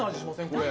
これ。